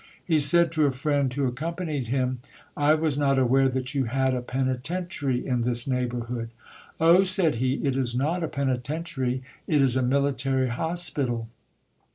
He said to a friend who accompanied him, 'I was not aware that you had a penitentiary in this neighbourhood.' 'Oh,' said he, 'it is not a penitentiary, it is a military hospital.'"